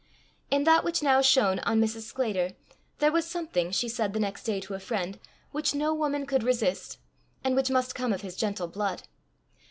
In that which now shone on Mrs. Sclater, there was something, she said the next day to a friend, which no woman could resist, and which must come of his gentle blood.